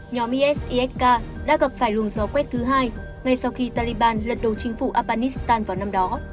nhóm isisk đã gặp phải luồng gió quét thứ hai ngay sau khi taliban lật đầu chính phủ afghanistan vào năm đó